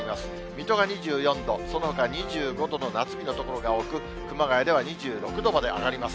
水戸が２４度、そのほか２５度の夏日の所が多く、熊谷では２６度まで上がります。